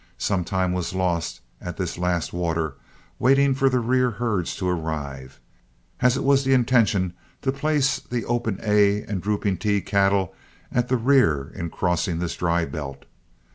Some time was lost at this last water, waiting for the rear herds to arrive, as it was the intention to place the "Open A" and "Drooping T" cattle at the rear in crossing this dry belt.